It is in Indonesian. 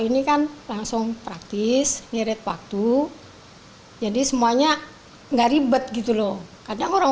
ini kan langsung praktis ngirit waktu jadi semuanya enggak ribet gitu loh kadang orang